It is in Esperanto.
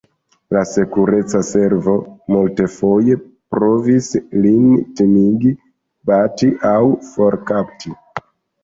Sekureca Servo multfoje provis lin timigi, bati aŭ forkapti.